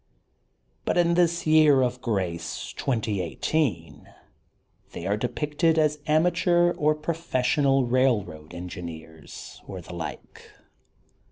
But in this year of grace, 2018, they are depicted as amateur or professional railroad engineers, or the like.